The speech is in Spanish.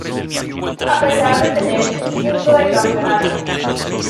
A pesar de tener un punto de campeonato.